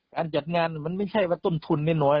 การจัดงานมันไม่ใช่ว่าต้นทุนน้อย